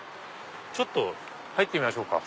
ちょっと入ってみましょうか。